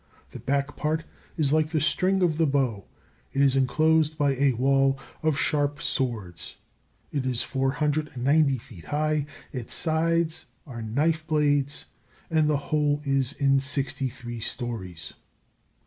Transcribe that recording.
The back part is like the string of the bow; it is enclosed by a wall of sharp swords. It is 490 feet high; its sides are knife blades; and the whole is in sixty three storeys.